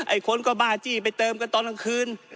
ไอ้คนก็บ้าจี้ไปเติมกันตอนกลางคืน